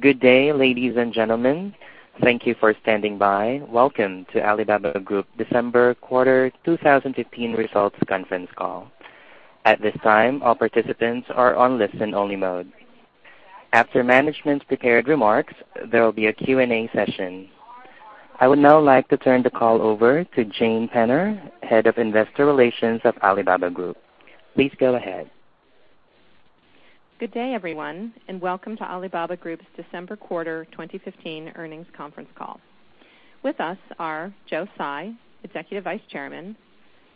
Good day, ladies and gentlemen. Thank you for standing by. Welcome to Alibaba Group December quarter 2015 results conference call. At this time, all participants are on listen only mode. After management's prepared remarks, there will be a Q&A session. I would now like to turn the call over to Jane Penner, Head of Investor Relations of Alibaba Group. Please go ahead. Good day, everyone, welcome to Alibaba Group's December quarter 2015 earnings conference call. With us are Joe Tsai, Executive Vice Chairman,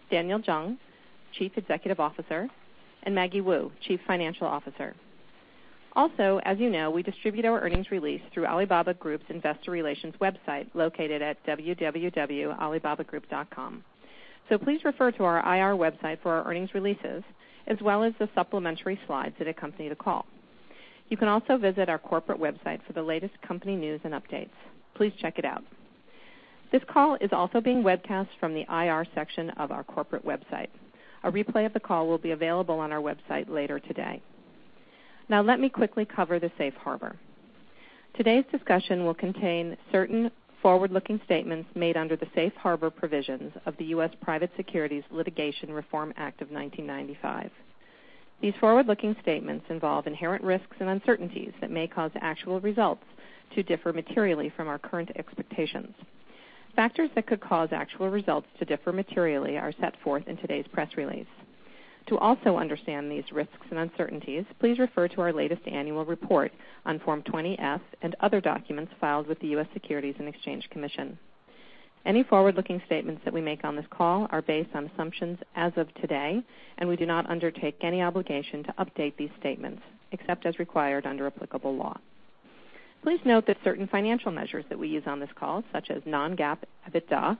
Daniel Zhang, Chief Executive Officer, and Maggie Wu, Chief Financial Officer. As you know, we distribute our earnings release through Alibaba Group's investor relations website located at www.alibabagroup.com. Please refer to our IR website for our earnings releases as well as the supplementary slides that accompany the call. You can also visit our corporate website for the latest company news and updates. Please check it out. This call is also being webcast from the IR section of our corporate website. A replay of the call will be available on our website later today. Let me quickly cover the safe harbor. Today's discussion will contain certain forward-looking statements made under the safe harbor provisions of the U.S. Private Securities Litigation Reform Act of 1995. These forward-looking statements involve inherent risks and uncertainties that may cause actual results to differ materially from our current expectations. Factors that could cause actual results to differ materially are set forth in today's press release. To also understand these risks and uncertainties, please refer to our latest annual report on Form 20-F and other documents filed with the U.S. Securities and Exchange Commission. Any forward-looking statements that we make on this call are based on assumptions as of today. We do not undertake any obligation to update these statements except as required under applicable law. Please note that certain financial measures that we use on this call, such as non-GAAP EBITDA,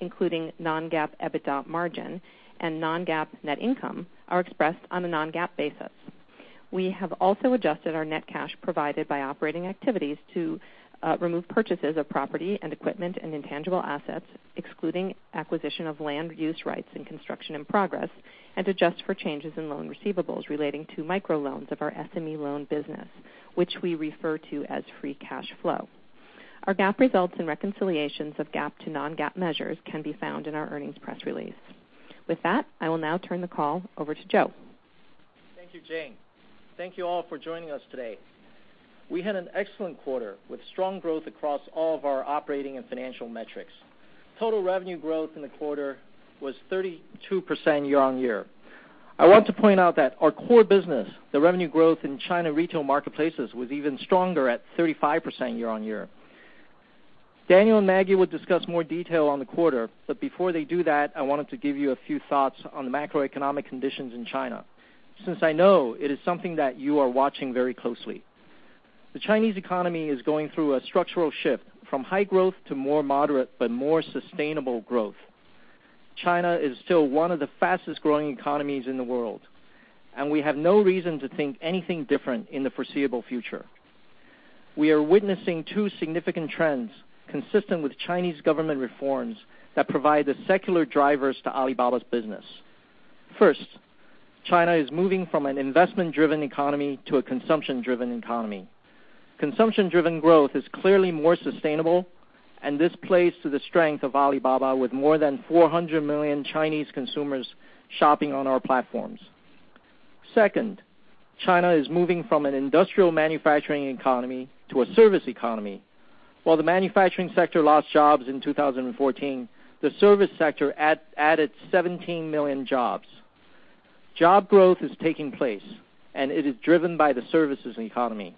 including non-GAAP EBITDA margin and non-GAAP net income, are expressed on a non-GAAP basis. We have also adjusted our net cash provided by operating activities to remove purchases of property and equipment and intangible assets, excluding acquisition of land use rights and construction in progress, and adjust for changes in loan receivables relating to microloans of our SME loan business, which we refer to as free cash flow. Our GAAP results and reconciliations of GAAP to non-GAAP measures can be found in our earnings press release. With that, I will now turn the call over to Joe. Thank you, Jane. Thank you all for joining us today. We had an excellent quarter with strong growth across all of our operating and financial metrics. Total revenue growth in the quarter was 32% year-on-year. I want to point out that our core business, the revenue growth in China retail marketplaces, was even stronger at 35% year-on-year. Daniel and Maggie will discuss more detail on the quarter, but before they do that, I wanted to give you a few thoughts on the macroeconomic conditions in China since I know it is something that you are watching very closely. The Chinese economy is going through a structural shift from high growth to more moderate but more sustainable growth. China is still one of the fastest-growing economies in the world, and we have no reason to think anything different in the foreseeable future. We are witnessing two significant trends consistent with Chinese government reforms that provide the secular drivers to Alibaba's business. First, China is moving from an investment-driven economy to a consumption-driven economy. Consumption-driven growth is clearly more sustainable. This plays to the strength of Alibaba with more than 400 million Chinese consumers shopping on our platforms. Second, China is moving from an industrial manufacturing economy to a service economy. While the manufacturing sector lost jobs in 2014, the service sector added 17 million jobs. Job growth is taking place. It is driven by the services economy.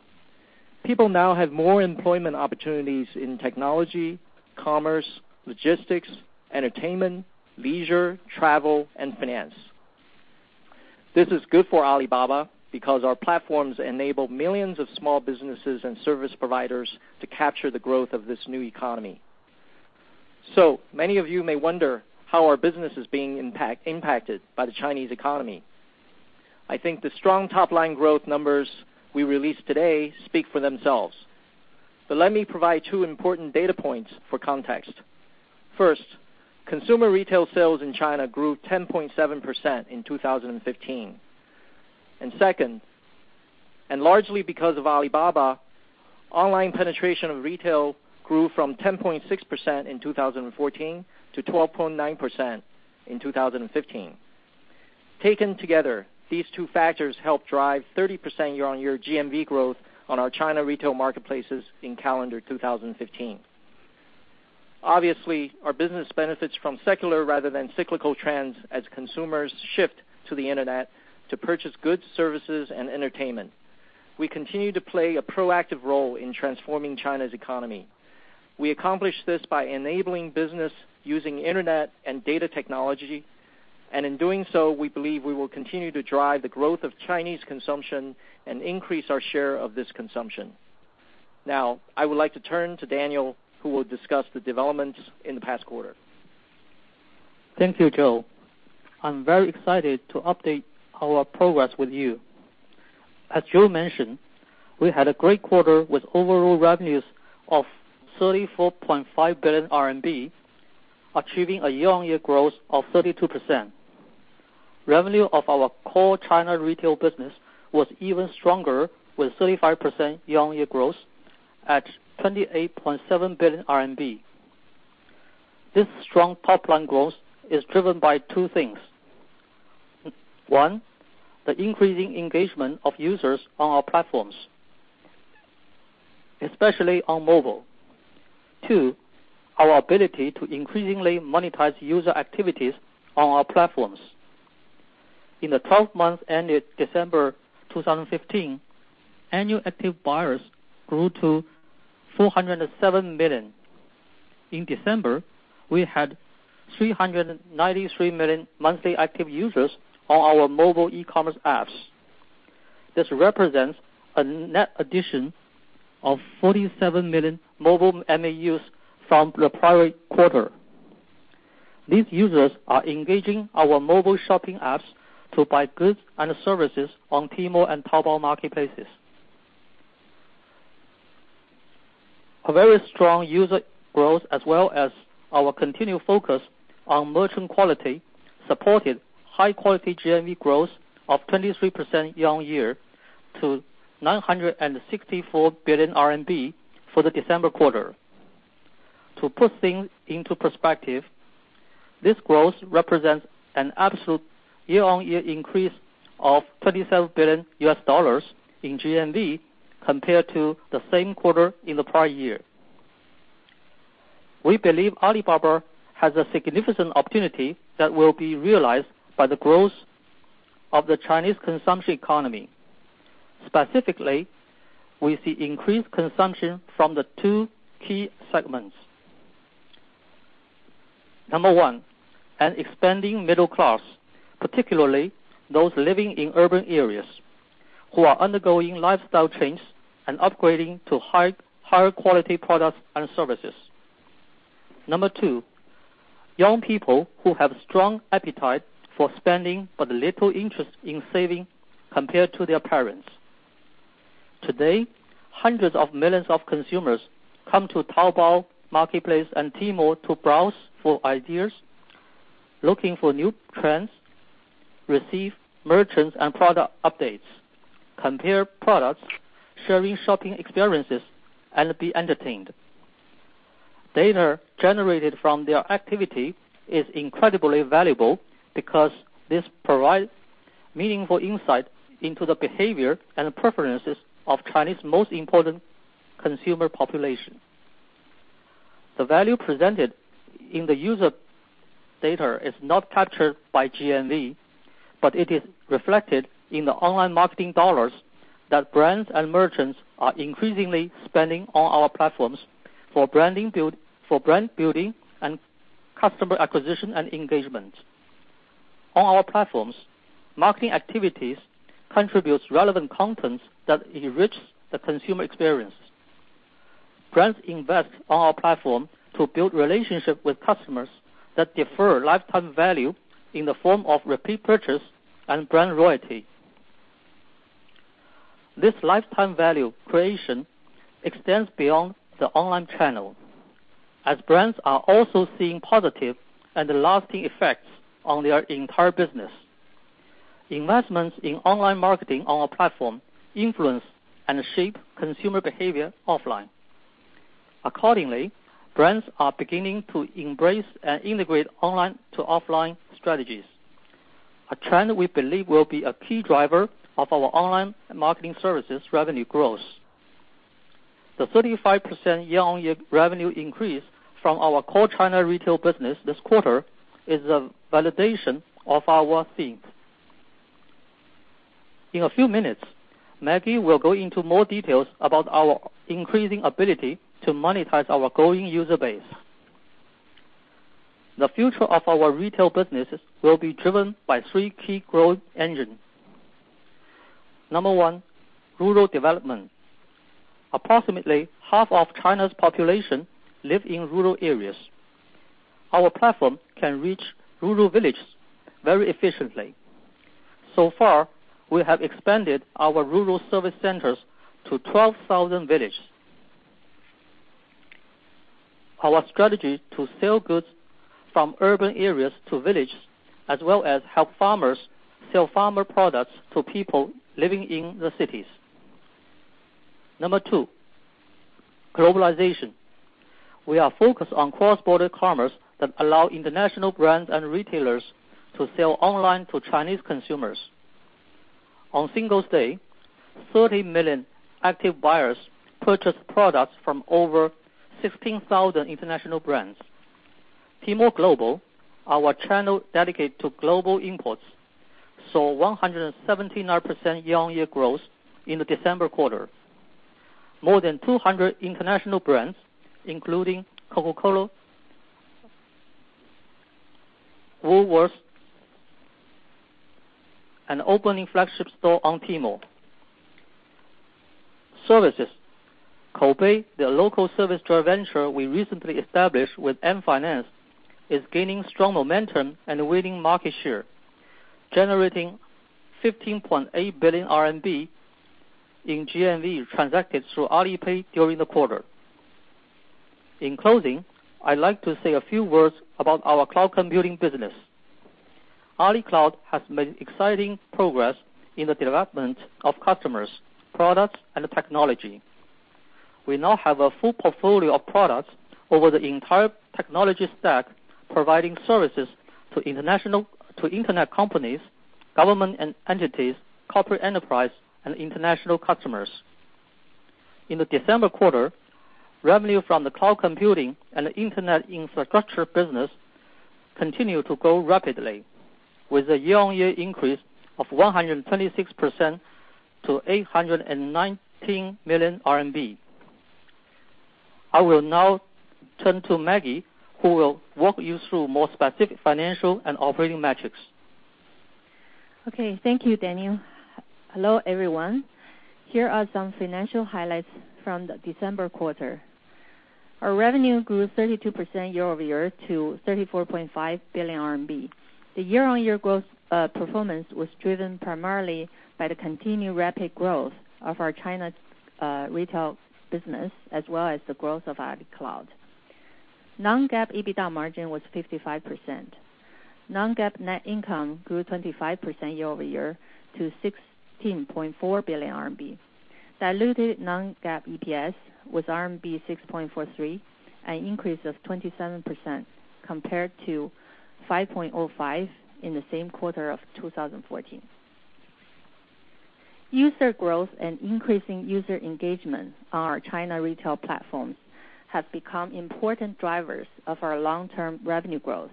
People now have more employment opportunities in technology, commerce, logistics, entertainment, leisure, travel, and finance. This is good for Alibaba because our platforms enable millions of small businesses and service providers to capture the growth of this new economy. Many of you may wonder how our business is being impacted by the Chinese economy. I think the strong top-line growth numbers we released today speak for themselves. Let me provide two important data points for context. First, consumer retail sales in China grew 10.7% in 2015. Second, and largely because of Alibaba, online penetration of retail grew from 10.6% in 2014 to 12.9% in 2015. Taken together, these two factors helped drive 30% year-on-year GMV growth on our China retail marketplaces in calendar 2015. Obviously, our business benefits from secular rather than cyclical trends as consumers shift to the Internet to purchase goods, services, and entertainment. We continue to play a proactive role in transforming China's economy. We accomplish this by enabling business using Internet and data technology. In doing so, we believe we will continue to drive the growth of Chinese consumption and increase our share of this consumption. I would like to turn to Daniel, who will discuss the developments in the past quarter. Thank you, Joe. I'm very excited to update our progress with you. As Joe mentioned, we had a great quarter with overall revenues of 34.5 billion RMB, achieving a year-on-year growth of 32%. Revenue of our core China retail business was even stronger with 35% year-on-year growth at 28.7 billion RMB. This strong top line growth is driven by two things. One, the increasing engagement of users on our platforms, especially on mobile. Two, our ability to increasingly monetize user activities on our platforms. In the 12 months ended December 2015, annual active buyers grew to 407 million. In December, we had 393 million monthly active users on our mobile e-commerce apps. This represents a net addition of 47 million mobile MAUs from the prior quarter. These users are engaging our mobile shopping apps to buy goods and services on Tmall and Taobao marketplaces. A very strong user growth as well as our continued focus on merchant quality, supported high quality GMV growth of 23% year-on-year to 964 billion RMB for the December quarter. To put things into perspective, this growth represents an absolute year-on-year increase of $37 billion in GMV compared to the same quarter in the prior year. We believe Alibaba has a significant opportunity that will be realized by the growth of the Chinese consumption economy. Specifically, we see increased consumption from the two key segments. Number one, an expanding middle class, particularly those living in urban areas who are undergoing lifestyle trends and upgrading to higher quality products and services. Number two, young people who have strong appetite for spending, but little interest in saving compared to their parents. Today, hundreds of millions of consumers come to Taobao marketplace and Tmall to browse for ideas, looking for new trends, receive merchants and product updates, compare products, sharing shopping experiences, and be entertained. Data generated from their activity is incredibly valuable because this provides meaningful insight into the behavior and preferences of China's most important consumer population. The value presented in the user data is not captured by GMV, but it is reflected in the online marketing dollars that brands and merchants are increasingly spending on our platforms for brand building and customer acquisition and engagement. On our platforms, marketing activities contributes relevant content that enriches the consumer experience. Brands invest on our platform to build relationship with customers that drive lifetime value in the form of repeat purchase and brand loyalty. This lifetime value creation extends beyond the online channel, as brands are also seeing positive and lasting effects on their entire business. Investments in online marketing on our platform influence and shape consumer behavior offline. Accordingly, brands are beginning to embrace and integrate online to offline strategies. A trend we believe will be a key driver of our online marketing services revenue growth. The 35% year-on-year revenue increase from our core China retail business this quarter is a validation of our theme. In a few minutes, Maggie will go into more details about our increasing ability to monetize our growing user base. The future of our retail businesses will be driven by three key growth engine. Number one, rural development. Approximately half of China's population live in rural areas. Our platform can reach rural villages very efficiently. We have expanded our rural service centers to 12,000 villages. Our strategy to sell goods from urban areas to villages, as well as help farmers sell farmer products to people living in the cities. Number two, globalization. We are focused on cross-border commerce that allow international brands and retailers to sell online to Chinese consumers. On Singles' Day, 30 million active buyers purchased products from over 16,000 international brands. Tmall Global, our channel dedicated to global imports, saw 179% year-on-year growth in the December quarter. More than 200 international brands, including Coca-Cola, Woolworths, and opening flagship store on Tmall. Services. Koubei, the local service joint venture we recently established with Ant Financial, is gaining strong momentum and winning market share, generating 15.8 billion RMB in GMV transacted through Alipay during the quarter. In closing, I'd like to say a few words about our cloud computing business. AliCloud has made exciting progress in the development of customers, products, and technology. We now have a full portfolio of products over the entire technology stack, providing services to Internet companies, government entities, corporate enterprise, and international customers. In the December quarter, revenue from the cloud computing and Internet infrastructure business continued to grow rapidly with a year-on-year increase of 126% to 819 million RMB. I will now turn to Maggie, who will walk you through more specific financial and operating metrics. Okay, thank you, Daniel. Hello, everyone. Here are some financial highlights from the December quarter. Our revenue grew 32% year-over-year to 34.5 billion RMB. The year-on-year growth performance was driven primarily by the continued rapid growth of our China retail business as well as the growth of Alibaba Cloud. Non-GAAP EBITDA margin was 55%. Non-GAAP net income grew 25% year-over-year to 16.4 billion RMB. Diluted non-GAAP EPS was RMB 6.43, an increase of 27% compared to 5.05 in the same quarter of 2014. User growth and increasing user engagement on our China retail platforms have become important drivers of our long-term revenue growth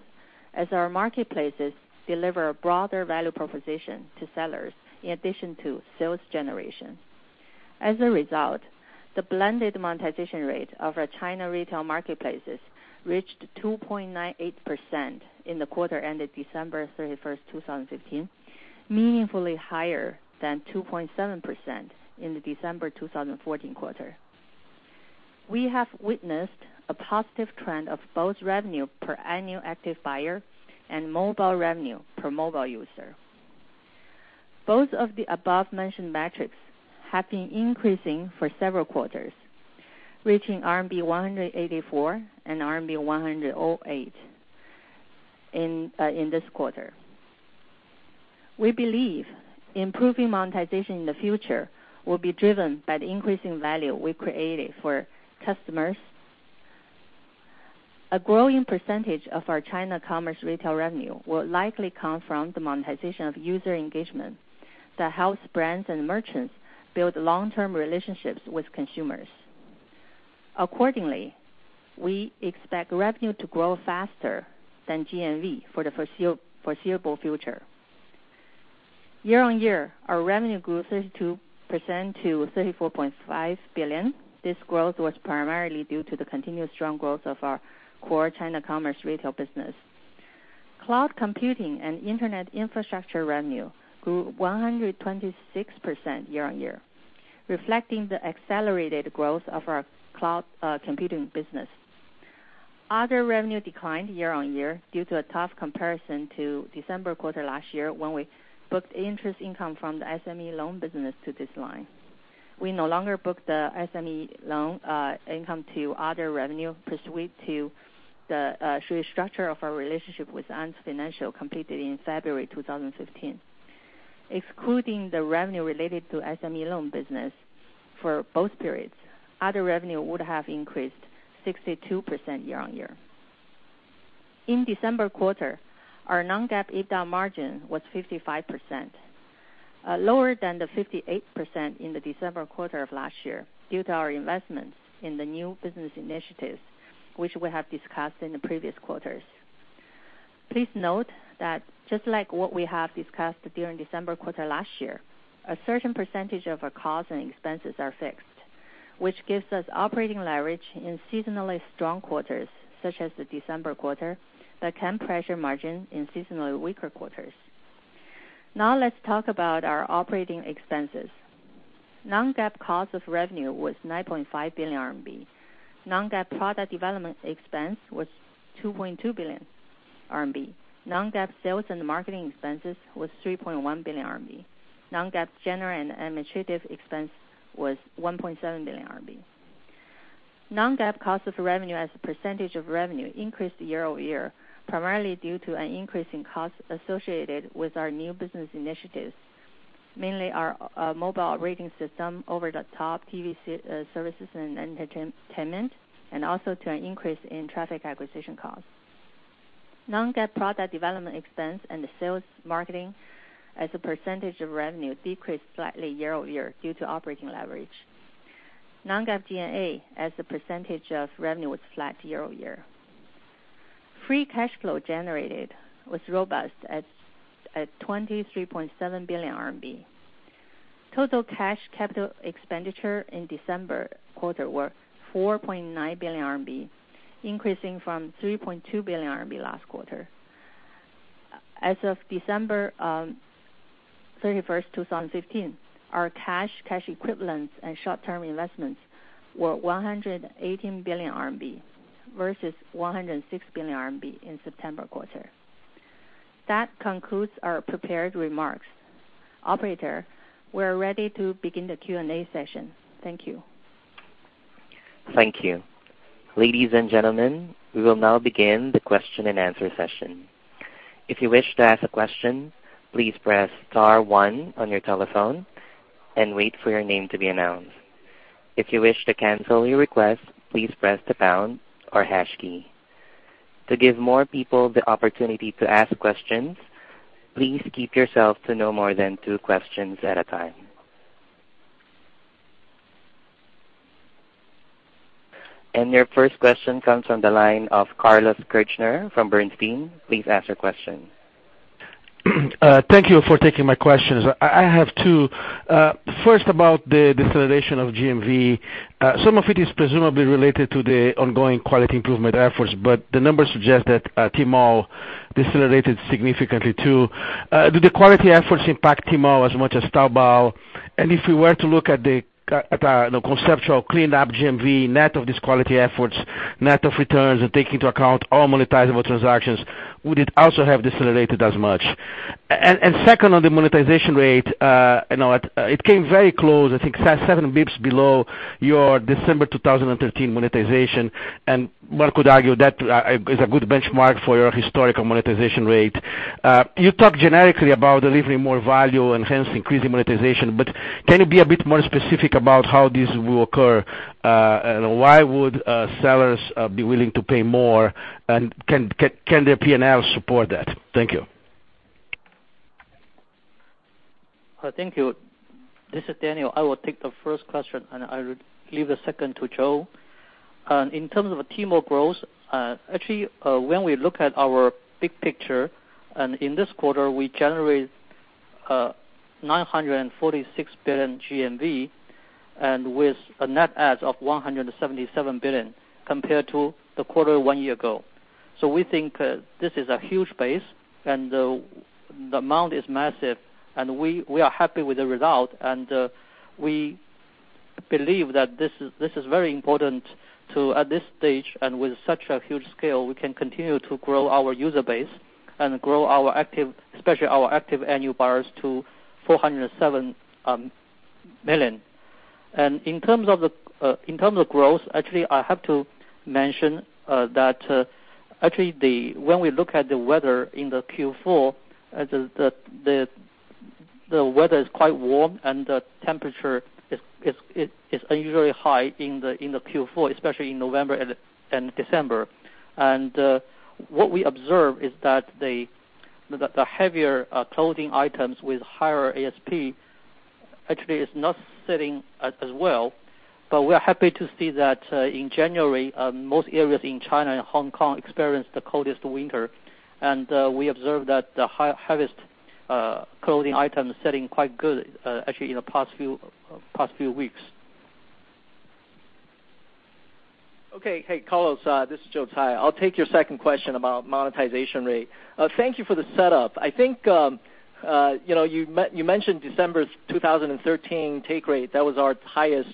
as our marketplaces deliver a broader value proposition to sellers in addition to sales generation. As a result, the blended monetization rate of our China retail marketplaces reached 2.98% in the quarter ended December 31, 2015, meaningfully higher than 2.7% in the December 2014 quarter. We have witnessed a positive trend of both revenue per annual active buyer and mobile revenue per mobile user. Both of the above-mentioned metrics have been increasing for several quarters, reaching RMB 184 and RMB 108 in this quarter. We believe improving monetization in the future will be driven by the increasing value we created for customers. A growing percentage of our China commerce retail revenue will likely come from the monetization of user engagement that helps brands and merchants build long-term relationships with consumers. Accordingly, we expect revenue to grow faster than GMV for the foreseeable future. Year-on-year, our revenue grew 32% to 34.5 billion. This growth was primarily due to the continued strong growth of our core China commerce retail business. Cloud computing and Internet infrastructure revenue grew 126% year-on-year, reflecting the accelerated growth of our cloud computing business. Other revenue declined year-on-year due to a tough comparison to December quarter last year when we booked interest income from the SME loan business to this line. We no longer book the SME loan income to other revenue pursuant to the restructure of our relationship with Ant Financial completed in February 2015. Excluding the revenue related to SME loan business for both periods, other revenue would have increased 62% year-on-year. In December quarter, our non-GAAP EBITDA margin was 55%, lower than the 58% in the December quarter of last year due to our investments in the new business initiatives which we have discussed in the previous quarters. Please note that just like what we have discussed during December quarter last year, a certain percentage of our costs and expenses are fixed, which gives us operating leverage in seasonally strong quarters such as the December quarter, but can pressure margin in seasonally weaker quarters. Now let's talk about our operating expenses. Non-GAAP cost of revenue was 9.5 billion RMB. Non-GAAP product development expense was 2.2 billion RMB. Non-GAAP sales and marketing expenses was 3.1 billion RMB. Non-GAAP general and administrative expense was 1.7 billion RMB. Non-GAAP cost of revenue as a percentage of revenue increased year-over-year, primarily due to an increase in costs associated with our new business initiatives, mainly our mobile operating system, over-the-top TV services and entertainment, and also to an increase in traffic acquisition costs. Non-GAAP product development expense and sales marketing as a percentage of revenue decreased slightly year-over-year due to operating leverage. Non-GAAP G&A as a percentage of revenue was flat year-over-year. Free cash flow generated was robust at 23.7 billion RMB. Total cash capital expenditure in December quarter were 4.9 billion RMB, increasing from 3.2 billion RMB last quarter. As of December 31st, 2015, our cash equivalents and short-term investments were 118 billion RMB versus 106 billion RMB in September quarter. That concludes our prepared remarks. Operator, we are ready to begin the Q&A session. Thank you. Thank you. Ladies and gentlemen, we will now begin the question-and-answer session. If you wish to ask a question, please press star one on your telephone and wait for your name to be announced. If you wish to cancel your request, please press the pound or hash key. To give more people the opportunity to ask questions, please keep yourself to no more than two questions at a time. Your first question comes from the line of Carlos Kirjner from Bernstein. Please ask your question. Thank you for taking my questions. I have two, first about the deceleration of GMV. Some of it is presumably related to the ongoing quality improvement efforts, but the numbers suggest that Tmall decelerated significantly too. Do the quality efforts impact Tmall as much as Taobao? If we were to look at the conceptual cleaned up GMV net of these quality efforts, net of returns and take into account all monetizable transactions, would it also have decelerated as much? Second, on the monetization rate, you know, it came very close, I think 7 BPS below your December 2013 monetization, and one could argue that is a good benchmark for your historical monetization rate. You talk generically about delivering more value and hence increasing monetization, but can you be a bit more specific about how this will occur? Why would sellers be willing to pay more and can the P&L support that? Thank you. Thank you. This is Daniel. I will take the first question, I will leave the second to Joe. In terms of Tmall growth, when we look at our big picture, in this quarter, we generate 946 billion GMV with a net add of 177 billion compared to the quarter one year ago. We think this is a huge base, the amount is massive, we are happy with the result, we believe that this is very important to, at this stage, with such a huge scale, we can continue to grow our user base and grow our active, especially our active annual buyers to 407 million. In terms of the, in terms of growth, actually, I have to mention that actually when we look at the weather in the Q4, the weather is quite warm, and the temperature is unusually high in the Q4, especially in November and December. What we observe is that the heavier clothing items with higher ASP actually is not selling as well. We are happy to see that in January, most areas in China and Hong Kong experienced the coldest winter, we observed that the heaviest clothing items selling quite good actually in the past few weeks. Okay. Hey, Carlos, this is Joe Tsai. I'll take your second question about monetization rate. Thank you for the setup. I think, you know, you mentioned December 2013 take rate. That was our highest,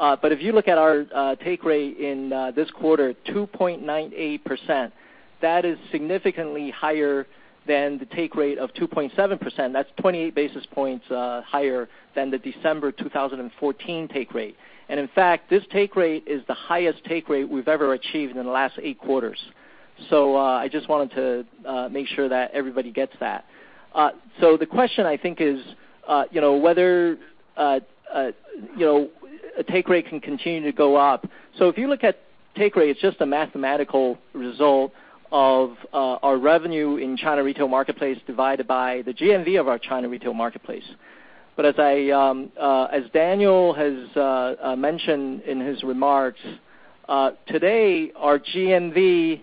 if you look at our take rate in this quarter, 2.98%, that is significantly higher than the take rate of 2.7%. That's 20 basis points higher than the December 2014 take rate. In fact, this take rate is the highest take rate we've ever achieved in the last eight quarters. I just wanted to make sure that everybody gets that. The question I think is, you know, whether, you know, a take rate can continue to go up. If you look at take rate, it's just a mathematical result of our revenue in China retail marketplace divided by the GMV of our China retail marketplace. As I, as Daniel has mentioned in his remarks today, our GMV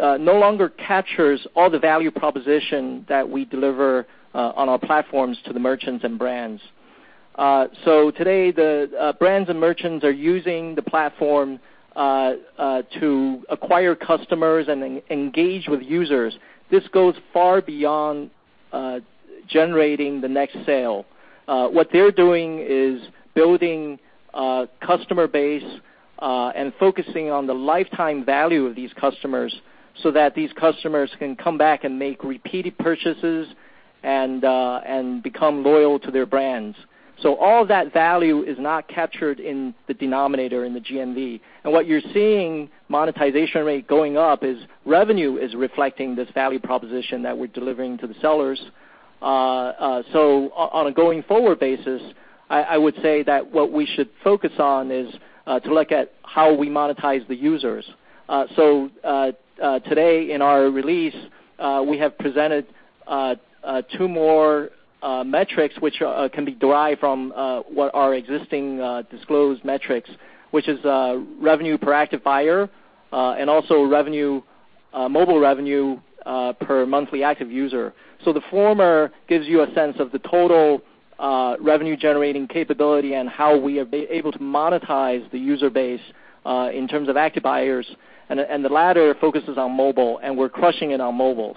no longer captures all the value proposition that we deliver on our platforms to the merchants and brands. Today, the brands and merchants are using the platform to acquire customers and engage with users. This goes far beyond generating the next sale. What they're doing is building a customer base and focusing on the lifetime value of these customers so that these customers can come back and make repeated purchases and become loyal to their brands. All that value is not captured in the denominator in the GMV. What you're seeing monetization rate going up is revenue is reflecting this value proposition that we're delivering to the sellers. On a going forward basis, I would say that what we should focus on is to look at how we monetize the users. Today in our release, we have presented two more metrics which can be derived from what our existing disclosed metrics, which is revenue per active buyer, and also revenue, mobile revenue, per monthly active user. The former gives you a sense of the total. Revenue-generating capability and how we have been able to monetize the user base in terms of active buyers. The latter focuses on mobile, and we're crushing it on mobile.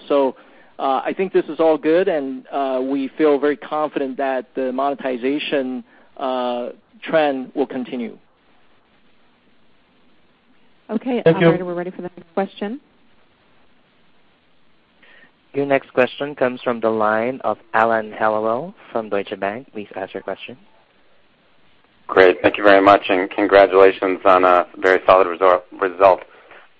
I think this is all good, and we feel very confident that the monetization trend will continue. Okay. Thank you. Operator, we're ready for the next question. Your next question comes from the line of Alan Hellawell from Deutsche Bank. Please ask your question. Great. Thank you very much, and congratulations on a very solid result.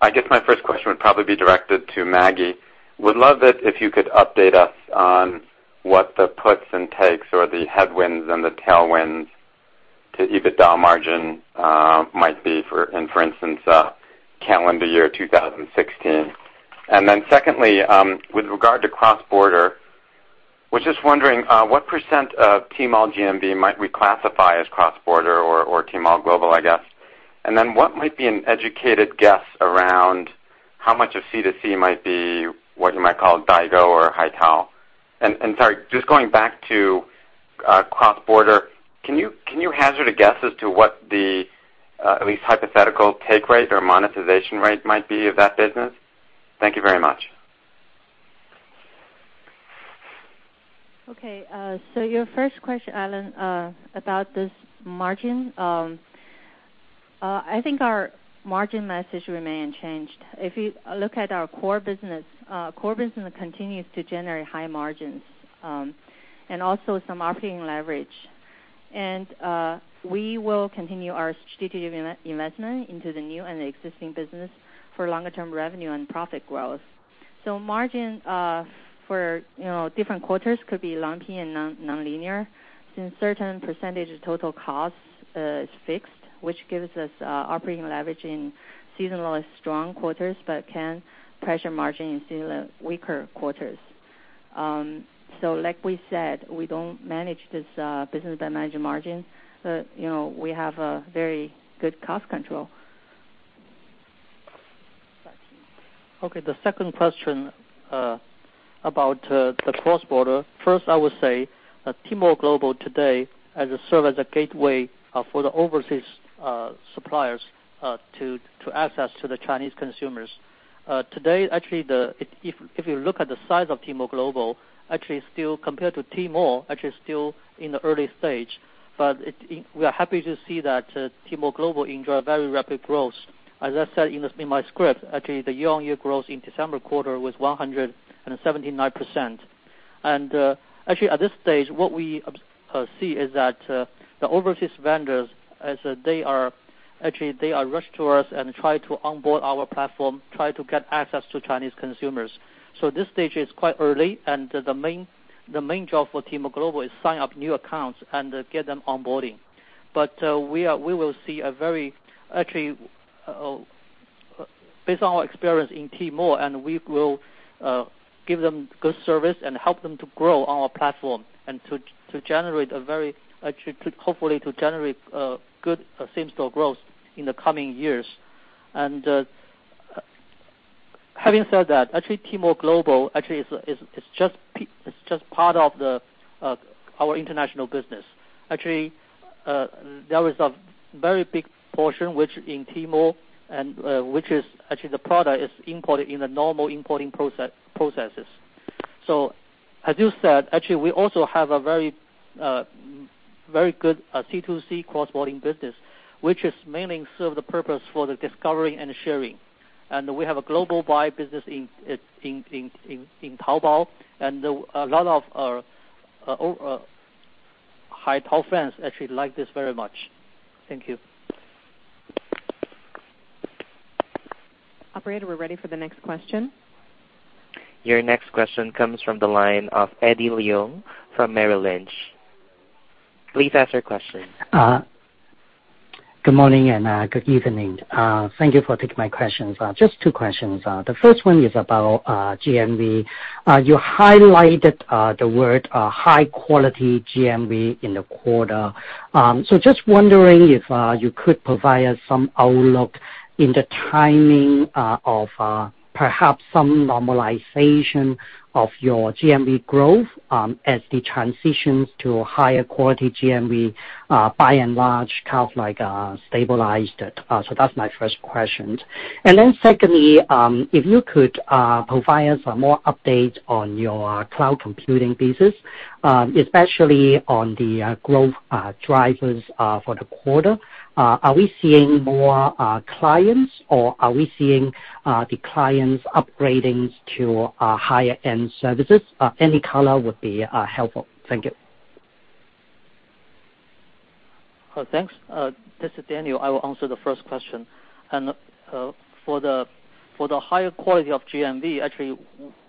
I guess my first question would probably be directed to Maggie. Would love it if you could update us on what the puts and takes or the headwinds and the tailwinds to EBITDA margin might be for instance, calendar year 2016. Secondly, with regard to cross-border, was just wondering what % of Tmall GMV might we classify as cross-border or Tmall Global, I guess? What might be an educated guess around how much of C2C might be what you might call Daigou or Haitao? Sorry, just going back to cross-border, can you hazard a guess as to what the at least hypothetical take rate or monetization rate might be of that business? Thank you very much. Okay. Your first question, Alan, about this margin, I think our margin message remain unchanged. If you look at our core business, core business continues to generate high margins, also some operating leverage. We will continue our strategic investment into the new and existing business for longer term revenue and profit growth. Margin, for, you know, different quarters could be lumpy and non-nonlinear, since certain percentage of total cost is fixed, which gives us operating leverage in seasonally strong quarters, but can pressure margin in seasonal weaker quarters. Like we said, we don't manage this business by managing margin, but, you know, we have a very good cost control. The second question about the cross-border. First, I would say that Tmall Global today as a serve as a gateway for the overseas suppliers to access to the Chinese consumers. Today, actually if you look at the size of Tmall Global, actually still compared to Tmall, actually still in the early stage, but we are happy to see that Tmall Global enjoy a very rapid growth. As I said in my script, actually the year-on-year growth in December quarter was 179%. Actually, at this stage, what we see is that the overseas vendors, as they are rushed to us and try to onboard our platform, try to get access to Chinese consumers. This stage is quite early, and the main job for Tmall Global is sign up new accounts and get them onboarding. Actually, based on our experience in Tmall, we will give them good service and help them to grow on our platform and to hopefully generate good same-store growth in the coming years. Having said that, actually Tmall Global is just part of our international business. Actually, there is a very big portion which in Tmall and which is actually the product is imported in the normal importing processes. As you said, actually we also have a very good C2C cross-border business, which is mainly serve the purpose for the discovery and sharing. We have a global buy business in Taobao, and a lot of our Haitao fans actually like this very much. Thank you. Operator, we're ready for the next question. Your next question comes from the line of Eddie Leung from Merrill Lynch. Please ask your question. Good morning and good evening. Thank you for taking my questions. Just two questions. The first one is about GMV. You highlighted the word high quality GMV in the quarter. Just wondering if you could provide us some outlook in the timing of perhaps some normalization of your GMV growth as it transitions to higher quality GMV, by and large, kind of like stabilized it. That's my first question. Secondly, if you could provide us more updates on your cloud computing business, especially on the growth drivers for the quarter. Are we seeing more clients or are we seeing the clients upgrading to higher end services? Any color would be helpful. Thank you. Thanks. This is Daniel. I will answer the first question. For the, for the higher quality of GMV, actually,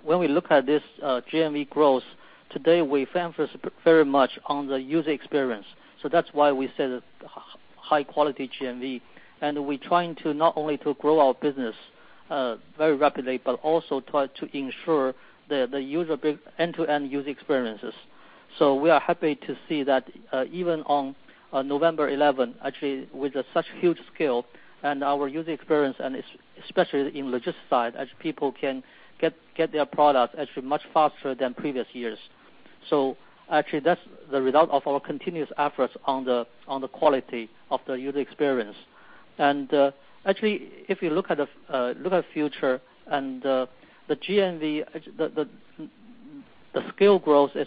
when we look at this GMV growth, today we focus very much on the user experience. That's why we said high quality GMV. We're trying to not only to grow our business very rapidly, but also try to ensure the user, end-to-end user experiences. We are happy to see that even on November 11, actually, with such huge scale and our user experience, and especially in logistics side, as people can get their products actually much faster than previous years. Actually, that's the result of our continuous efforts on the, on the quality of the user experience. Actually, if you look at the look at future and the GMV scale growth is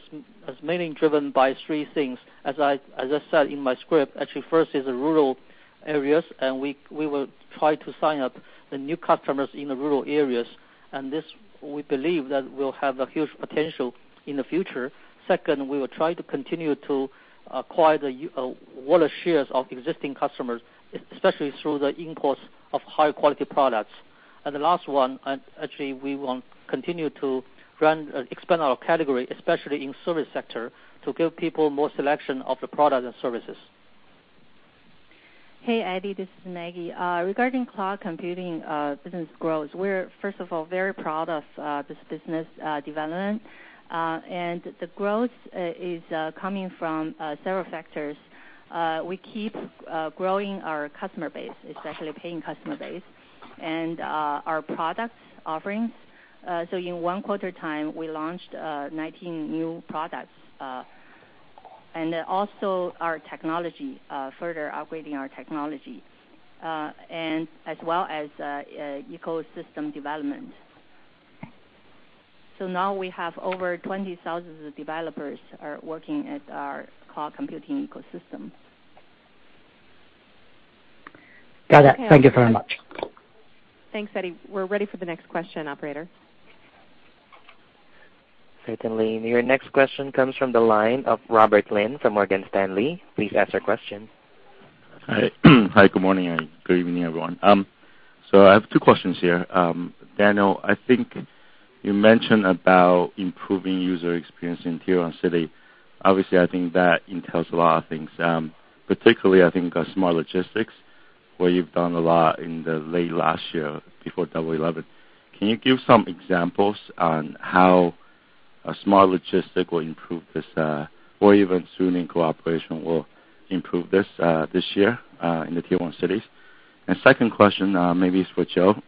mainly driven by three things. As I, as I said in my script, actually first is the rural areas, and we will try to sign up the new customers in the rural areas, and this we believe that will have a huge potential in the future. Second, we will try to continue to acquire the wallet shares of existing customers, especially through the imports of high-quality products. The last one, and actually we want continue to run, expand our category, especially in service sector, to give people more selection of the product and services. Hey, Eddie, this is Maggie. Regarding cloud computing business growth, we're first of all very proud of this business development. The growth is coming from several factors. We keep growing our customer base, especially paying customer base and our product offerings. In one quarter time, we launched 19 new products, and also further upgrading our technology, and as well as ecosystem development. Now we have over 20,000 developers are working at our cloud computing ecosystem. Got it. Thank you very much. Thanks, Eddie. We're ready for the next question, operator. Certainly. Your next question comes from the line of Robert Lin from Morgan Stanley. Please ask your question. Hi. Hi, good morning and good evening, everyone. I have two questions here. Daniel, I think you mentioned about improving user experience in Tier 1 city. Obviously, I think that entails a lot of things, particularly I think smart logistics, where you've done a lot in the late last year before Double Eleven. Can you give some examples on how a smart logistic will improve this, or even Suning cooperation will improve this year, in the Tier 1 cities? Second question, maybe is for Joe.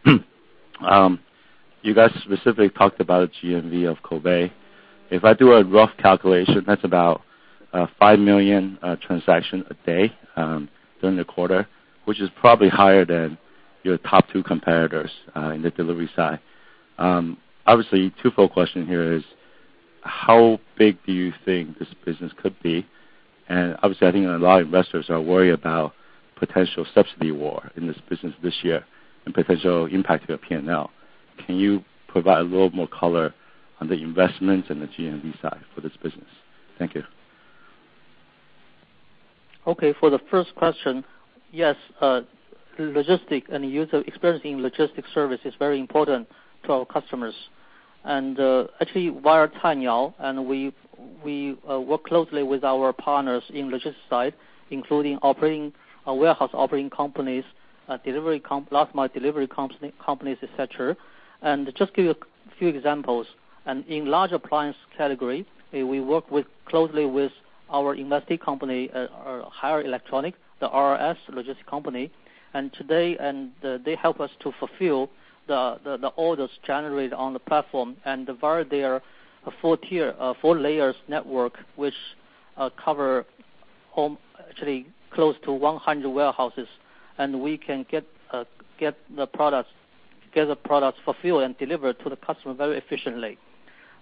You guys specifically talked about GMV of Koubei. If I do a rough calculation, that's about five million transaction a day during the quarter, which is probably higher than your top two competitors in the delivery side. Obviously, twofold question here is, how big do you think this business could be? Obviously, I think a lot of investors are worried about potential subsidy war in this business this year and potential impact to your P&L. Can you provide a little more color on the investments and the GMV side for this business? Thank you. Okay. For the first question, yes, logistics and user experience in logistics service is very important to our customers. Actually, via Cainiao, we work closely with our partners in logistics side, including operating warehouse operating companies, delivery companies, last mile delivery companies, et cetera. Just give you a few examples. In large appliance category, we work closely with our invested company, Haier Electronics, the RRS Logistics Company. Today, they help us to fulfill the orders generated on the platform via their four tier, four layers network, which cover home, actually close to 100 warehouses, we can get the products fulfilled and delivered to the customer very efficiently.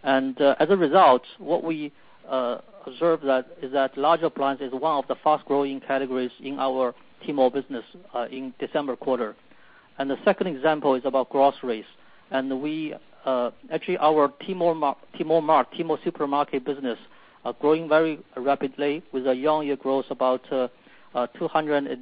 As a result, what we observe that is that large appliance is one of the fast-growing categories in our Tmall business in December quarter. The second example is about groceries. We actually, our Tmall Mart, Tmall Supermarket business are growing very rapidly with a year-on-year growth about 279%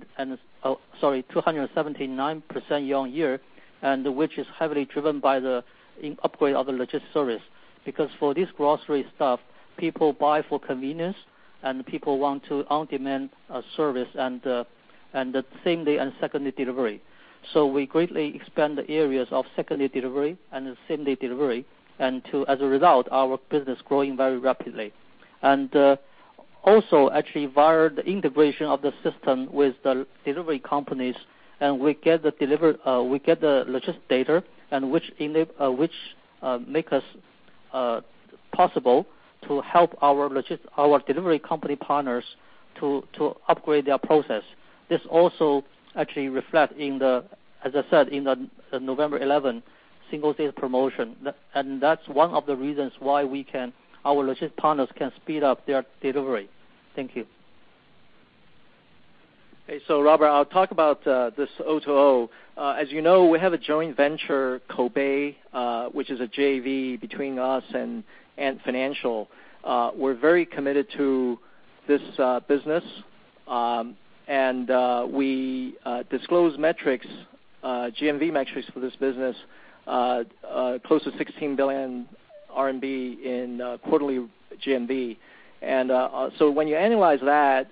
year-on-year, and which is heavily driven by the in-upgrade of the logistic service. Because for this grocery stuff, people buy for convenience, and people want to on-demand service and the same day and second day delivery. We greatly expand the areas of second day delivery and same day delivery, as a result, our business growing very rapidly. Also actually via the integration of the system with the delivery companies, we get the logistic data which make us possible to help our logistic, our delivery company partners to upgrade their process. This also actually reflect in the, as I said, in the November 11 Singles' Day promotion. That's one of the reasons why our logistic partners can speed up their delivery. Thank you. Okay. Robert, I'll talk about this O2O. As you know, we have a joint venture, Koubei, which is a JV between us and Ant Financial. We're very committed to this business. We disclose metrics, GMV metrics for this business, close to 16 billion RMB in quarterly GMV. When you annualize that,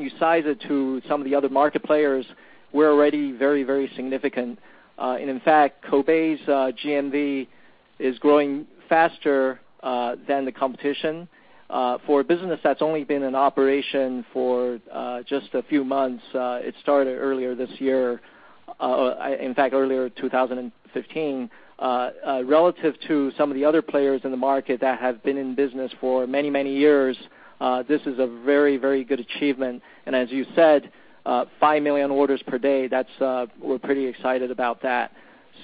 you size it to some of the other market players, we're already very, very significant. In fact, Koubei GMV is growing faster than the competition. For a business that's only been in operation for just a few months, it started earlier this year. In fact, earlier 2015, relative to some of the other players in the market that have been in business for many, many years, this is a very, very good achievement. As you said, five million orders per day, that's, we're pretty excited about that.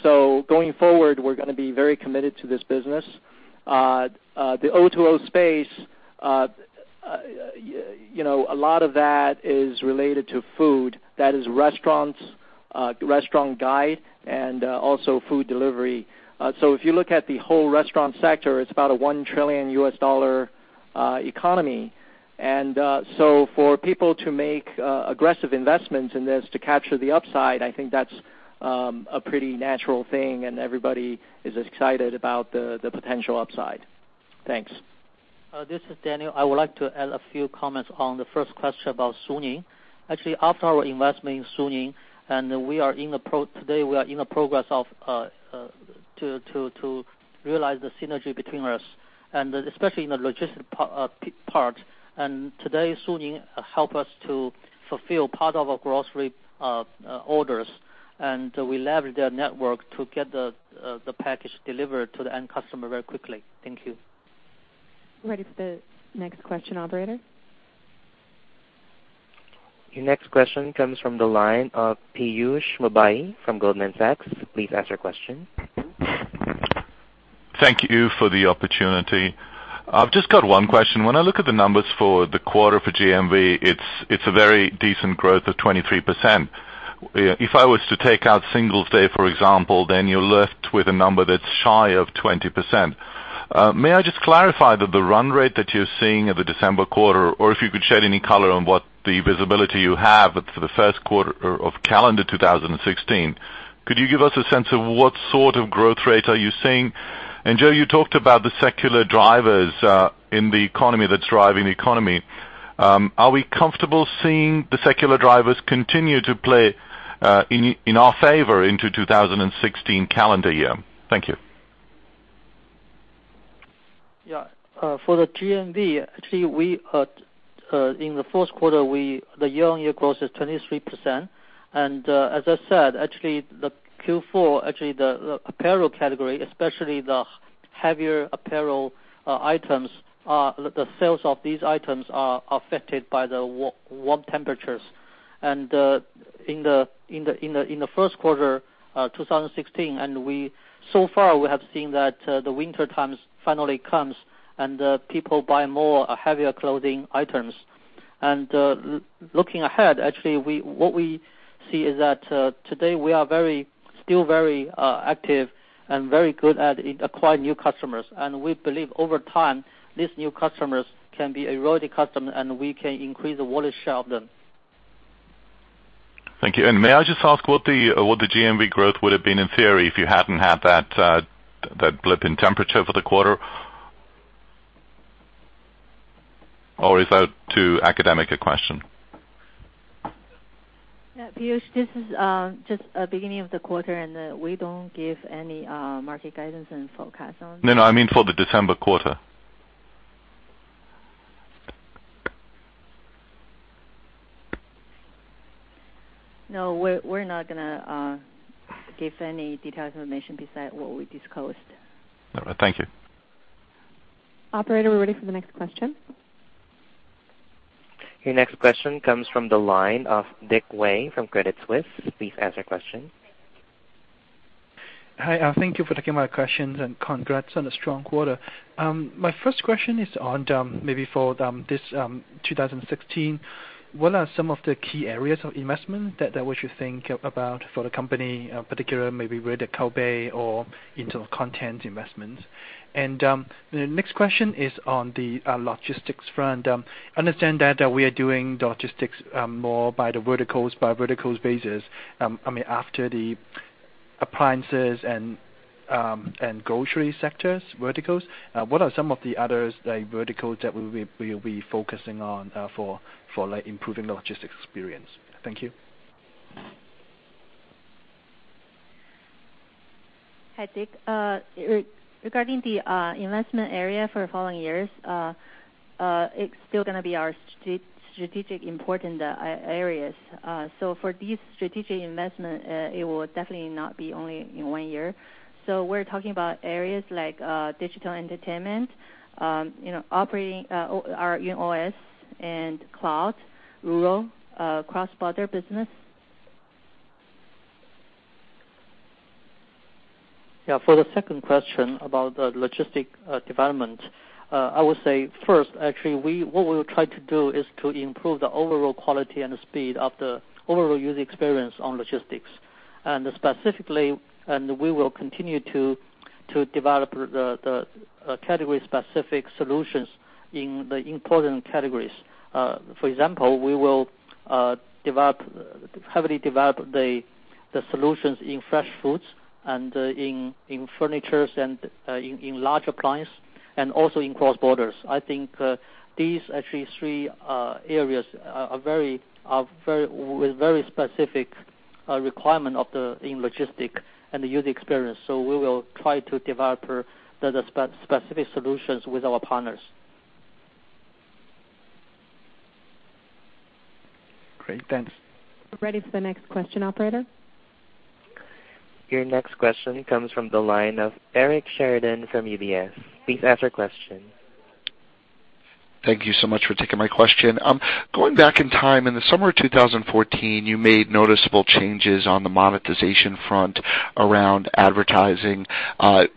Going forward, we're gonna be very committed to this business. The O2O space, you know, a lot of that is related to food. That is restaurants, restaurant guide, and also food delivery. If you look at the whole restaurant sector, it's about a $1 trillion economy. So for people to make aggressive investments in this to capture the upside, I think that's a pretty natural thing, and everybody is excited about the potential upside. Thanks. This is Daniel. I would like to add a few comments on the first question about Suning. Actually, after our investment in Suning, today, we are in the progress of to realize the synergy between us, especially in the logistic part. Today, Suning help us to fulfill part of our grocery orders, and we leverage their network to get the package delivered to the end customer very quickly. Thank you. Ready for the next question, operator. Your next question comes from the line of Piyush Mubayi from Goldman Sachs. Please ask your question. Thank you for the opportunity. I've just got one question. When I look at the numbers for the quarter for GMV, it's a very decent growth of 23%. If I was to take out Singles' Day, for example, you're left with a number that's shy of 20%. May I just clarify that the run rate that you're seeing of the December quarter, or if you could shed any color on what the visibility you have for the first quarter or of calendar 2016, could you give us a sense of what sort of growth rate are you seeing? Joe, you talked about the secular drivers in the economy that's driving the economy. Are we comfortable seeing the secular drivers continue to play in our favor into 2016 calendar year? Thank you. For the GMV, actually, in the first quarter, the year-on-year growth is 23%. As I said, actually, the Q4, actually, the apparel category, especially the heavier apparel items, the sales of these items are affected by the warm temperatures. In the first quarter 2016, so far, we have seen that the winter times finally comes, people buy more heavier clothing items. Looking ahead, actually, what we see is that today we are very, still very active and very good at acquiring new customers. We believe over time, these new customers can be a loyalty customer, and we can increase the wallet share of them. Thank you. May I just ask what the GMV growth would have been in theory if you hadn't had that blip in temperature for the quarter? Is that too academic a question? Yeah, Piyush, this is, just a beginning of the quarter, and, we don't give any, market guidance and forecast on. No, no, I mean for the December quarter. No, we're not gonna give any detailed information beside what we disclosed. All right. Thank you. Operator, we're ready for the next question. Your next question comes from the line of Dick Wei from Credit Suisse. Please ask your question. Hi, thank you for taking my questions, and congrats on a strong quarter. My first question is on maybe for this 2016. What are some of the key areas of investment that we should think about for the company, particular maybe Rural Taobao or into content investments? The next question is on the logistics front. Understand that we are doing the logistics more by verticals basis. I mean, after the appliances and grocery sectors verticals, what are some of the others, like, verticals that we'll be focusing on for improving logistics experience? Thank you. Hi, Dick. Regarding the investment area for following years, it's still gonna be our strategic important areas. For these strategic investment, it will definitely not be only in one year. We're talking about areas like digital entertainment, you know, operating our YunOS and cloud, rural, cross-border business. Yeah. For the second question about the logistic development, I would say first, actually, what we will try to do is to improve the overall quality and the speed of the overall user experience on logistics. Specifically, we will continue to develop the category-specific solutions in the important categories. For example, we will heavily develop the solutions in fresh foods and in furnitures and in large appliance and also in cross-borders. I think, actually, these three areas are very, with very specific requirement of the In logistic and the user experience. We will try to develop the specific solutions with our partners. Great. Thanks. We're ready for the next question, operator. Your next question comes from the line of Eric Sheridan from UBS. Please ask your question. Thank you so much for taking my question. Going back in time, in the summer of 2014, you made noticeable changes on the monetization front around advertising, balancing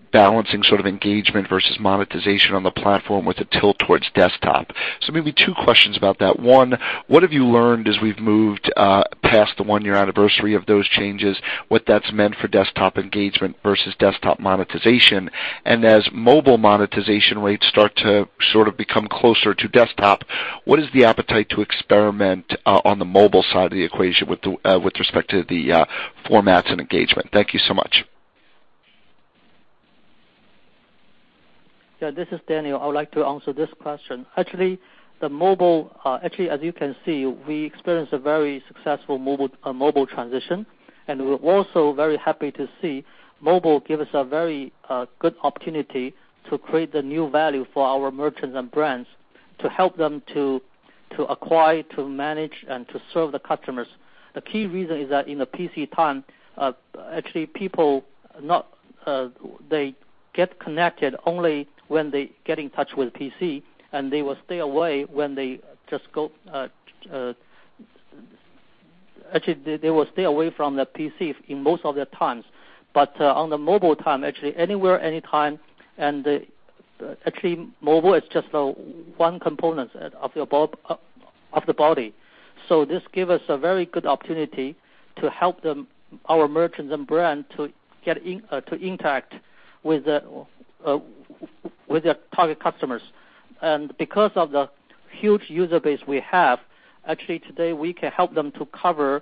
sort of engagement versus monetization on the platform with a tilt towards desktop. Maybe two questions about that. One, what have you learned as we've moved past the one-year anniversary of those changes, what that's meant for desktop engagement versus desktop monetization? As mobile monetization rates start to sort of become closer to desktop, what is the appetite to experiment on the mobile side of the equation with respect to the formats and engagement? Thank you so much. Yeah, this is Daniel. I would like to answer this question. The mobile, as you can see, we experienced a very successful mobile transition, and we're also very happy to see mobile give us a very good opportunity to create the new value for our merchants and brands to help them to acquire, to manage, and to serve the customers. The key reason is that in the PC time, actually they get connected only when they get in touch with PC. They will stay away from the PC in most of their times. On the mobile time, actually anywhere, any time, and actually mobile is just one component of your body. This give us a very good opportunity to help them, our merchants and brand, to get in, to interact with the, with their target customers. Because of the huge user base we have, actually today, we can help them to cover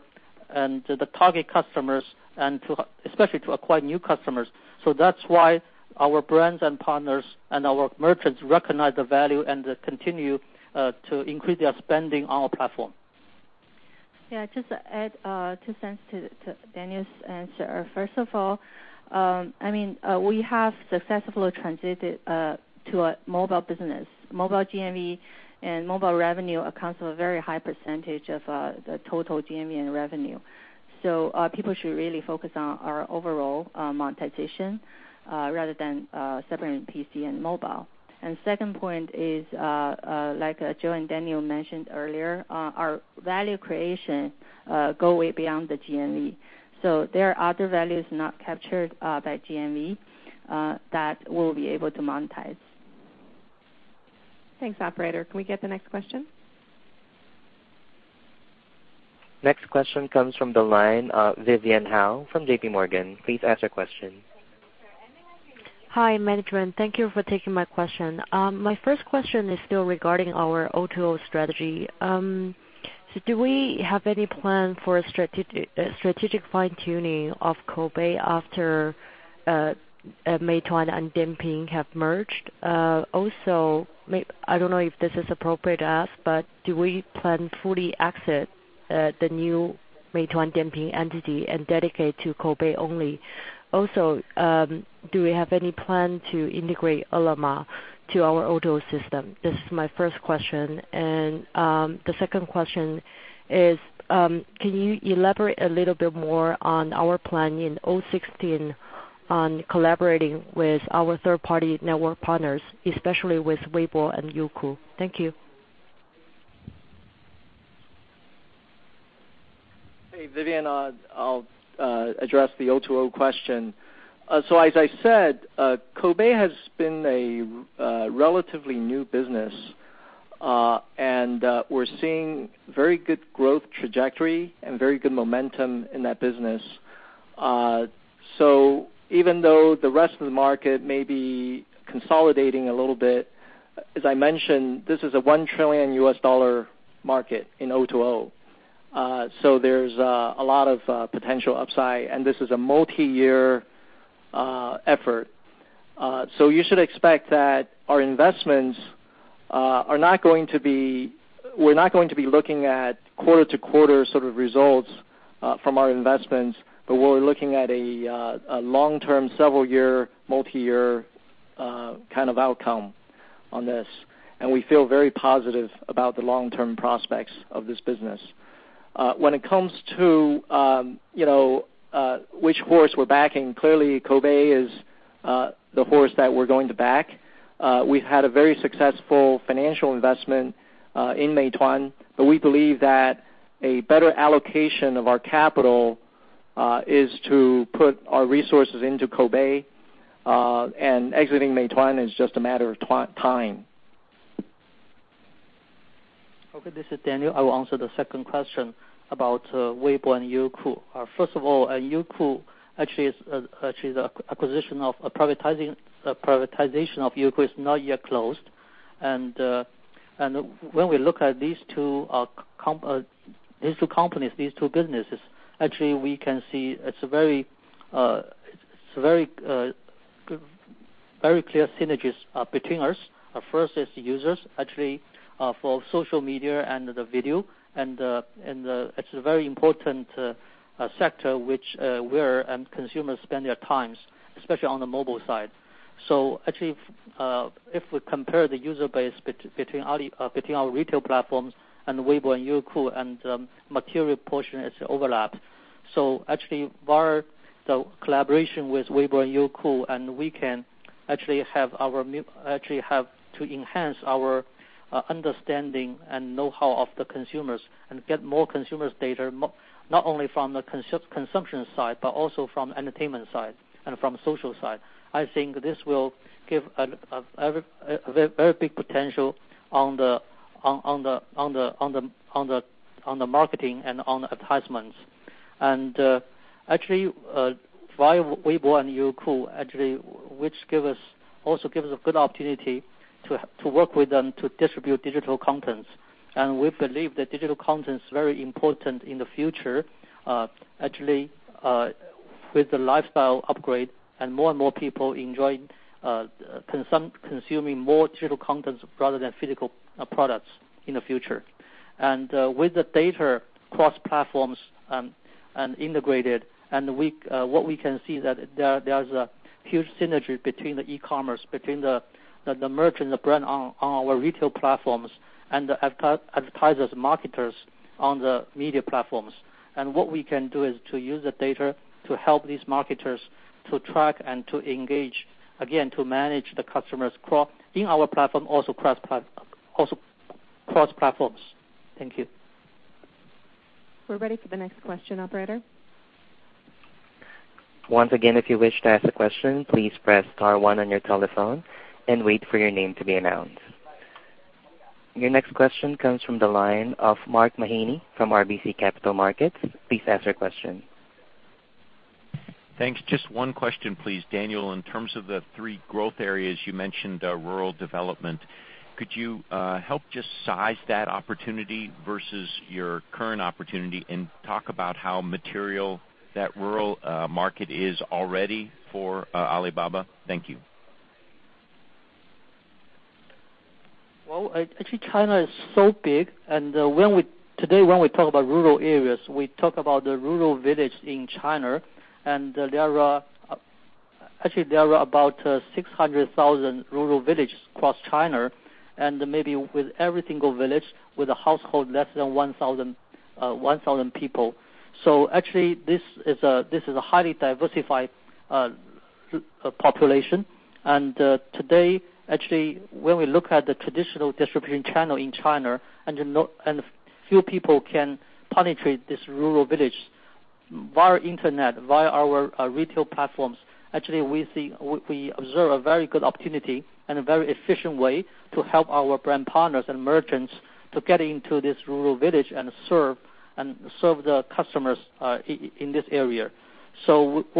and the target customers and to, especially to acquire new customers. That's why our brands and partners and our merchants recognize the value and they continue, to increase their spending on our platform. Yeah, just to add two cents to Daniel's answer. First of all, we have successfully transited to a mobile business. Mobile GMV and mobile revenue accounts for a very high percentage of the total GMV and revenue. People should really focus on our overall monetization rather than separating PC and mobile. Second point is Joe and Daniel mentioned earlier, our value creation go way beyond the GMV. There are other values not captured by GMV that we'll be able to monetize. Thanks. Operator, can we get the next question? Next question comes from the line of Vivian Hao from JPMorgan. Please ask your question. Hi, management. Thank you for taking my question. My first question is still regarding our O2O strategy. Do we have any plan for a strategic fine-tuning of Koubei after Meituan and Dianping have merged? Also may I don't know if this is appropriate to ask, do we plan fully exit the new Meituan-Dianping entity and dedicate to Koubei only? Also, do we have any plan to integrate Ele.me to our O2O system? This is my first question. The second question is, can you elaborate a little bit more on our plan in 2016 on collaborating with our third-party network partners, especially with Weibo and Youku? Thank you. Hey, Vivian, I'll address the O2O question. As I said, Koubei has been a relatively new business, and we're seeing very good growth trajectory and very good momentum in that business. Even though the rest of the market may be consolidating a little bit, as I mentioned, this is a $1 trillion U.S. dollar market in O2O. There's a lot of potential upside, and this is a multiyear effort. You should expect that We're not going to be looking at quarter to quarter sort of results from our investments, but we're looking at a long-term, several year, multiyear kind of outcome on this, and we feel very positive about the long-term prospects of this business. When it comes to, you know, which horse we're backing, clearly Koubei is the horse that we're going to back. We've had a very successful financial investment in Meituan, but we believe that a better allocation of our capital is to put our resources into Koubei, and exiting Meituan is just a matter of time. Okay, this is Daniel. I will answer the second question about Weibo and Youku. First of all, Youku actually is actually the privatization of Youku is not yet closed. When we look at these two companies, these two businesses, actually we can see it's a very, very clear synergies between us. First is users, actually, for social media and the video, it's a very important sector which consumers spend their times, especially on the mobile side. Actually, if we compare the user base between our retail platforms and Weibo and Youku and material portion, it's overlap. Actually, via the collaboration with Weibo and Youku, and we can actually have to enhance our understanding and know-how of the consumers and get more consumers' data, not only from the consumption side, but also from entertainment side and from social side. I think this will give a very, very big potential on the marketing and on advertisements. Actually, via Weibo and Youku actually, which give us, also give us a good opportunity to work with them to distribute digital contents. We believe that digital contents is very important in the future, actually, with the lifestyle upgrade and more and more people enjoying consuming more digital contents rather than physical products in the future. With the data across platforms, and integrated, we can see that there's a huge synergy between the e-commerce, between the merchant, the brand on our retail platforms and the advertisers, marketers on the media platforms. What we can do is to use the data to help these marketers to track and to engage, again, to manage the customers' in our platform, also cross-platforms. Thank you. We're ready for the next question, operator. Once again, if you wish to ask a question, please press star one on your telephone and wait for your name to be announced. Your next question comes from the line of Mark Mahaney from RBC Capital Markets. Please ask your question. Thanks. Just one question, please. Daniel, in terms of the three growth areas, you mentioned rural development. Could you help just size that opportunity versus your current opportunity and talk about how material that rural market is already for Alibaba? Thank you. Well, actually, China is so big, and when we talk about rural areas, we talk about the rural village in China, and actually, there are about 600,000 rural villages across China, and maybe with every single village with a household less than 1,000 people. Actually, this is a highly diversified population. Today, actually, when we look at the traditional distribution channel in China, you know, few people can penetrate this rural village via internet, via our retail platforms. Actually, we observe a very good opportunity and a very efficient way to help our brand partners and merchants to get into this rural village and serve the customers in this area.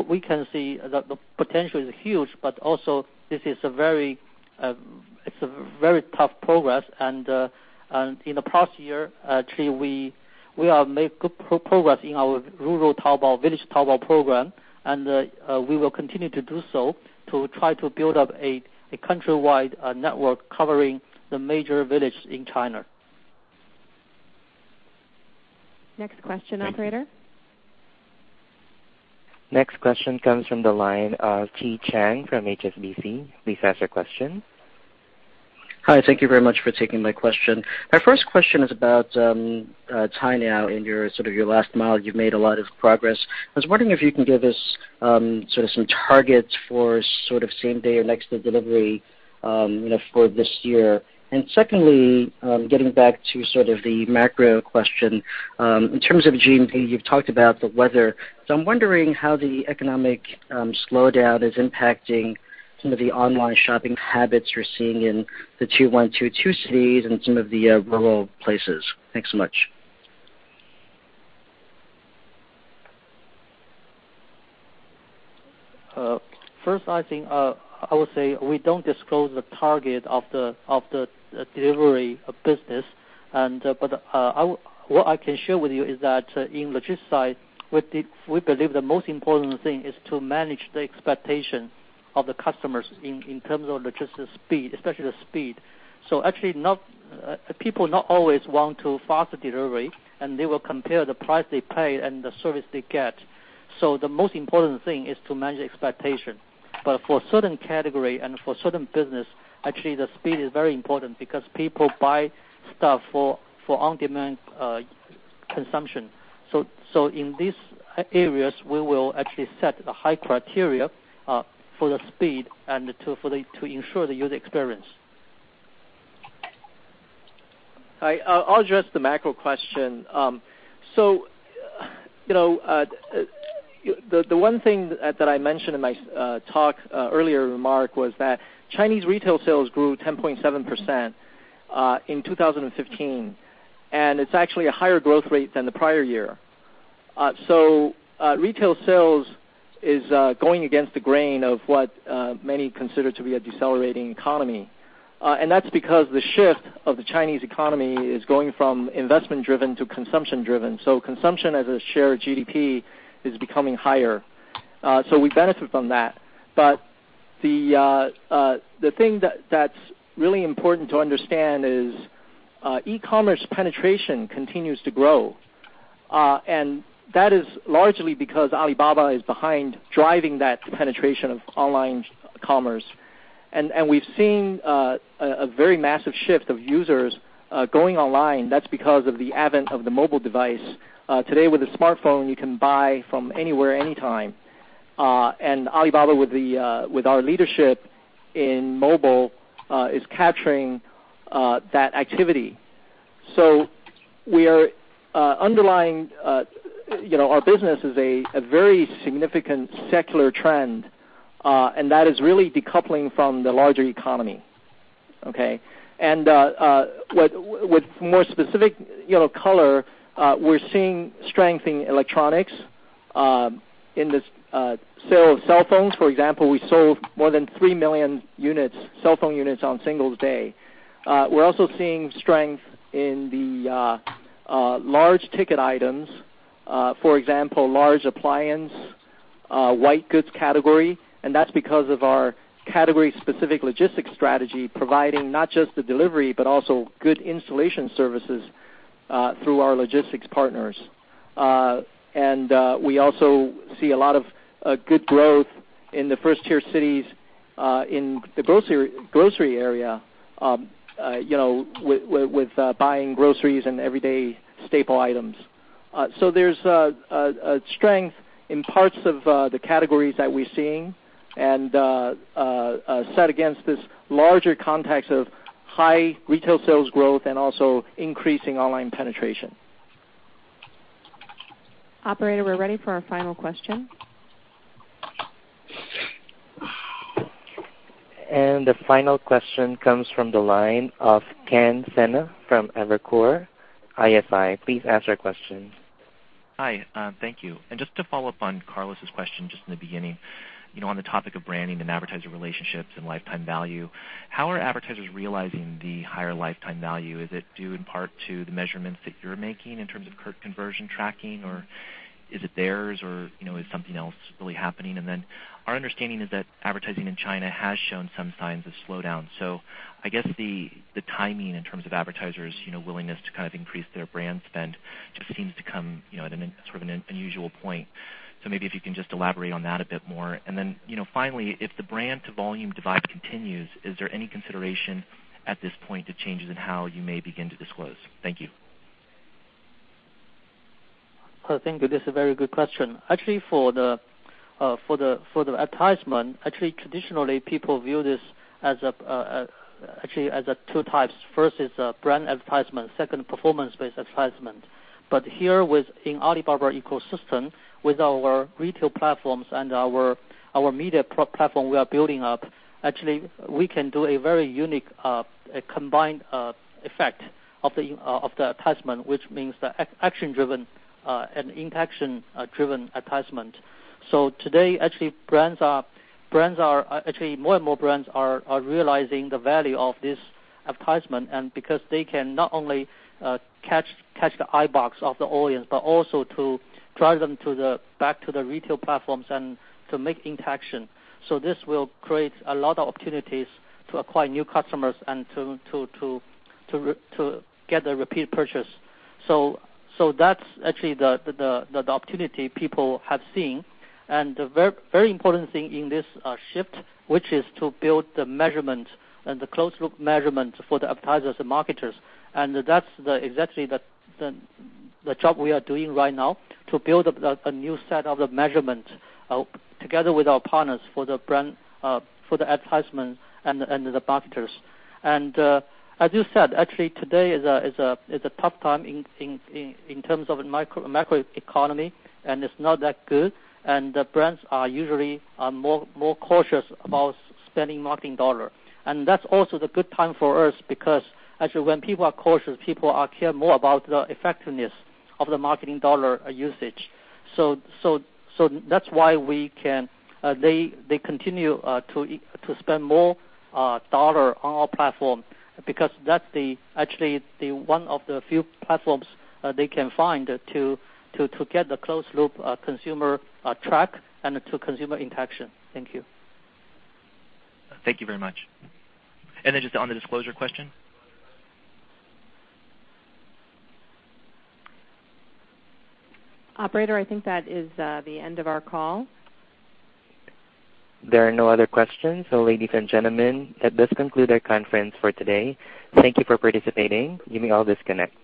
We can see that the potential is huge, but also this is a very, it's a very tough progress. In the past year, actually, we have made good progress in our Rural Taobao Village program, and we will continue to do so to try to build up a countrywide network covering the major village in China. Next question, operator. Next question comes from the line of Chi Tsang from HSBC. Please ask your question. Hi. Thank you very much for taking my question. My first question is about Cainiao and your sort of last mile. You've made a lot of progress. I was wondering if you can give us sort of some targets for sort of same day or next day delivery, you know, for this year. Secondly, getting back to sort of the macro question, in terms of GMV, you've talked about the weather. I'm wondering how the economic slowdown is impacting some of the online shopping habits you're seeing in the Tier 1, Tier 2 cities and some of the rural places. Thanks so much. First, I think, I would say we don't disclose the target of the delivery business. But, what I can share with you is that in logistics side, we believe the most important thing is to manage the expectation of the customers in terms of logistics speed, especially the speed. Actually, not, people not always want to faster delivery, and they will compare the price they pay and the service they get. The most important thing is to manage expectation. For certain category and for certain business, actually, the speed is very important because people buy stuff for on-demand consumption. In these areas, we will actually set a high criteria for the speed and to ensure the user experience. All right. I'll address the macro question. You know, the one thing that I mentioned in my talk earlier remark was that Chinese retail sales grew 10.7% in 2015, and it's actually a higher growth rate than the prior year. Retail sales is going against the grain of what many consider to be a decelerating economy. That's because the shift of the Chinese economy is going from investment-driven to consumption-driven. Consumption as a shared GDP is becoming higher. We benefit from that. The thing that's really important to understand is e-commerce penetration continues to grow. That is largely because Alibaba is behind driving that penetration of online commerce. We've seen a very massive shift of users going online. That's because of the advent of the mobile device. Today with a smartphone, you can buy from anywhere, anytime. Alibaba with the with our leadership in mobile is capturing that activity. We are underlying, you know, our business is a very significant secular trend, and that is really decoupling from the larger economy. With more specific, you know, color, we're seeing strength in electronics, in the sale of cell phones, for example, we sold more than three million units, cell phone units on Singles' Day. We're also seeing strength in the large ticket items, for example, large appliance, white goods category, and that's because of our category-specific logistics strategy, providing not just the delivery, but also good installation services through our logistics partners. We also see a lot of good growth in the first-tier cities, in the grocery area, you know, with buying groceries and everyday staple items. There's a strength in parts of the categories that we're seeing and set against this larger context of high retail sales growth and also increasing online penetration. Operator, we're ready for our final question. The final question comes from the line of Ken Sena from Evercore ISI. Please ask your question. Hi, thank you. Just to follow up on Carlos' question just in the beginning, you know, on the topic of branding and advertiser relationships and lifetime value, how are advertisers realizing the higher lifetime value? Is it due in part to the measurements that you're making in terms of conversion tracking, or is it theirs? You know, is something else really happening? Our understanding is that advertising in China has shown some signs of slowdown. I guess the timing in terms of advertisers', you know, willingness to kind of increase their brand spend just seems to come, you know, at an sort of an unusual point. Maybe if you can just elaborate on that a bit more. Then, you know, finally, if the brand to volume divide continues, is there any consideration at this point to changes in how you may begin to disclose? Thank you. I think that is a very good question. Actually, for the, for the, for the advertisement, actually traditionally people view this as a, actually as a two types. First is a brand advertisement, second, performance-based advertisement. Here with in Alibaba ecosystem, with our retail platforms and our media platform we are building up, actually we can do a very unique, combined effect of the advertisement, which means the action-driven and interaction driven advertisement. Today, actually, brands are Actually more and more brands are realizing the value of this advertisement, and because they can not only catch the eyeballs` of the audience, but also to drive them to the, back to the retail platforms and to make interaction. This will create a lot of opportunities to acquire new customers and to get a repeat purchase. That's actually the opportunity people have seen. The very important thing in this shift, which is to build the measurement and the closed loop measurement for the advertisers and marketers. That's exactly the job we are doing right now to build up a new set of the measurement together with our partners for the brand, for the advertisement and the marketers. As you said, actually today is a tough time in terms of macroeconomy, and it's not that good. The brands are usually more cautious about spending marketing dollar. That's also the good time for us because actually when people are cautious, people are care more about the effectiveness of the marketing dollar usage. That's why we can, they continue to spend more dollar on our platform because that's the actually the one of the few platforms they can find to get the closed loop consumer track and consumer interaction. Thank you. Thank you very much. Just on the disclosure question. Operator, I think that is the end of our call. There are no other questions. Ladies and gentlemen, that does conclude our conference for today. Thank you for participating. You may all disconnect.